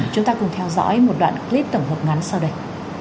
chúng ta cùng theo dõi một đoạn clip tổng hợp ngắn sau đây